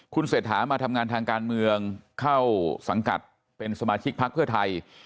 คุณเศรษฐามาทำงานทางการเมืองเข้าสังกัดเป็นสมาชิกพักเพื่อไทย